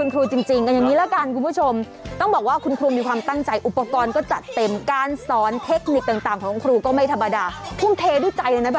ทุ่มเทด้วยใจเลยนะแบบนี้คุณชนะ